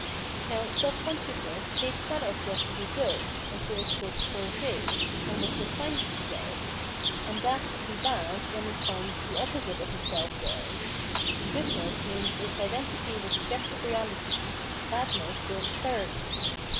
Now self consciousness takes that object to be good, and to exist 'per se, in which it finds itself ; and that to be bad when it finds the opposite of itself there. Goodness means its identity with objective reality, badness their disparity.